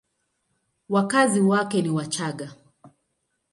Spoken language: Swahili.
Wakazi wake ni Wachagga.